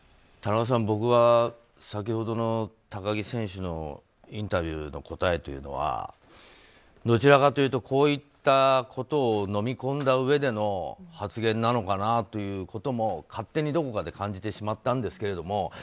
田中さん、僕は先ほどの高木選手のインタビューの答えというのはどちらかというとこういったことをのみ込んだうえでの発言なのかなということも勝手にどこかで感じてしまったんですけど。